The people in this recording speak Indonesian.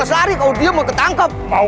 mereka nya ada lainyantai